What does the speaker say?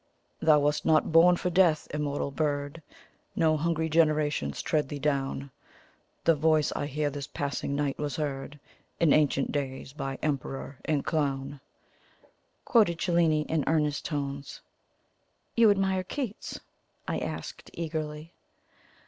"'Thou wast not born for death, immortal Bird! No hungry generations tread thee down; The voice I hear this passing night was heard In ancient days by emperor and clown,'" quoted Cellini in earnest tones. "You admire Keats?" I asked eagerly.